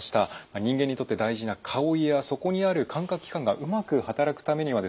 人間にとって大事な顔やそこにある感覚器官がうまく働くためにはですね